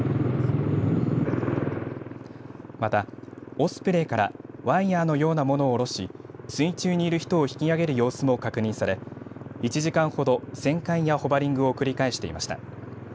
また、オスプレイからワイヤーのようなものを下ろし水中にいる人を引き上げる様子も確認され１時間ほど旋回やホバリングを繰り返していました。